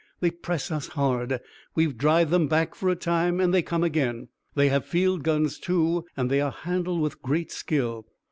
"They press us hard. We drive them back for a time, and they come again. They have field guns, too, and they are handled with great skill.